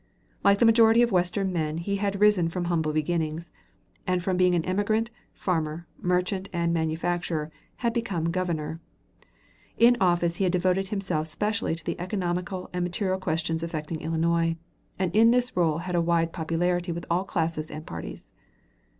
Like the majority of Western men he had risen from humble beginnings, and from being an emigrant, farmer, merchant, and manufacturer, had become Governor. In office he had devoted himself specially to the economical and material questions affecting Illinois, and in this role had a wide popularity with all classes and parties.